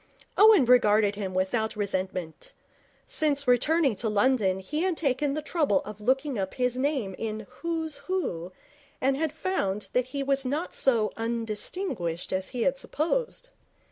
Owen regarded him without resentment. Since returning to London he had taken the trouble of looking up his name in Who's Who and had found that he was not so undistinguished as he had supposed.